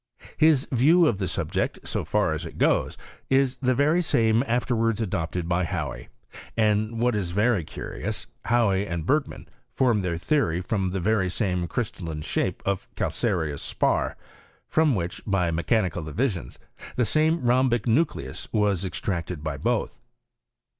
His view of the subject, so far as it goes, is the very same afterwards adopted by Hany : and, what is very curious, Hauy and Bergmou formed their theory from the very same crystalline shape of calcareous spar — from "^~ diich, by mechanical divisions, the same rhombic Kletis was extracted by both.